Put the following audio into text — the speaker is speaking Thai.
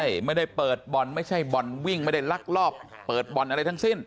ใช่ไม่ได้เปิดบ่อนไม่ใช่บ่อนวิ่งไม่ได้ลักลอบเปิดบ่อนอะไรทั้งสิ้น